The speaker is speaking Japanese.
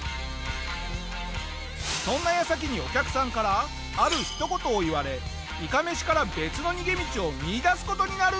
そんな矢先にお客さんからある一言を言われいかめしから別の逃げ道を見いだす事になるんだ！